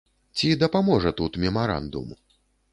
Ці дапаможа тут мемарандум?